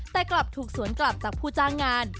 แต่กลับถูกสวนกลับจากผู้จ้างงาน